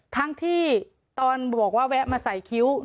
ทั้งที่ตอนบวกว่าแวะมาใส่คิ้ว